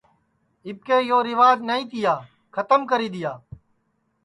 اِٻکے یو ریوج نائی تیا کھتم کری دؔیا